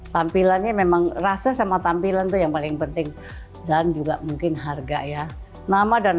tampilannya memang rasa sama tampilan tuh yang paling penting dan juga mungkin harga ya nama dan